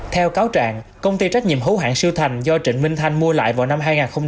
theo cáo trạng công ty trách nhiệm hữu hạng siêu thành do trịnh minh thanh mua lại vào năm hai nghìn một mươi